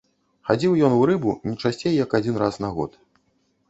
Хадзіў ён у рыбу не часцей як адзін раз на год.